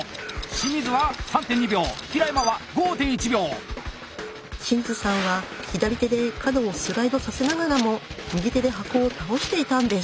清水さんは左手で角をスライドさせながらも右手で箱を倒していたんです！